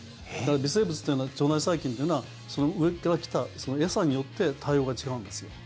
微生物というのは腸内細菌というのは上から来た餌によって対応が違うんですよ。